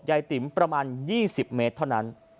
ติ๋มประมาณ๒๐เมตรเท่านั้น